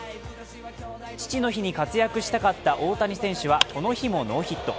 父の日に活躍したかった大谷選手はこの日もノーヒット。